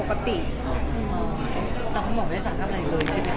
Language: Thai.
แล้วเขาบอกไม่ได้สถานการณ์อื่นเลยใช่ไหมคะ